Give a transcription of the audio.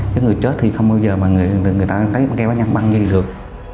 chứ người chết thì không bao giờ mà người ta thấy băng kêu bắt nhân băng như vậy được